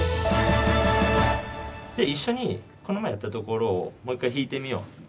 じゃあ一緒にこの前やったところをもう一回弾いてみよう。